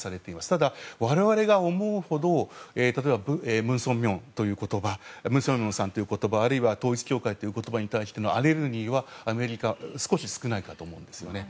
ただ、我々が思うほど例えば、文鮮明さんという言葉あるいは統一教会という言葉に対してのアレルギーはアメリカは少し少ないかと思うんですよね。